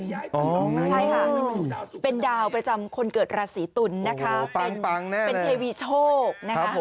อ๋อใช่ค่ะเป็นดาวประจำคนเกิดราศีตุลนะคะเป็นเพวี่โชคนะคะโอ้โฮปังแน่นอน